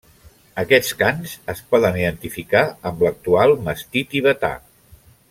Aquests cans es poden identificar amb l'actual mastí tibetà.